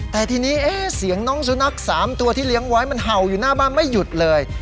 แต่ทีนี้เสียงน้องสุนัข๓ตัวที่เลี้ยงไว้มันเห่าอยู่หน้าบ้านไม่หยุดเลย